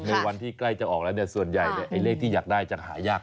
ในวันที่ใกล้จะออกแล้วเนี่ยส่วนใหญ่เลขที่อยากได้จะหายาก